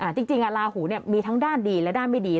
จริงลาหูมีทั้งด้านดีและด้านไม่ดี